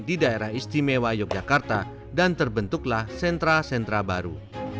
di daerah istimewa yogyakarta dan terbentuklah sentra sentra baru